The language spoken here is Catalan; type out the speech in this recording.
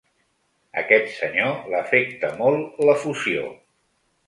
Aquest senyor l’afecta molt la fusió.